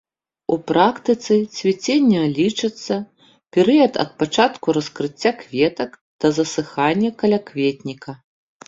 У практыцы цвіценне лічыцца перыяд ад пачатку раскрыцця кветак да засыхання калякветніка.